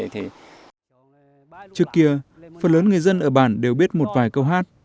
trước kia phần lớn người dân ở bản đều biết một vài câu hát